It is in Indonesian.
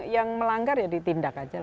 yang melanggar ya ditindak aja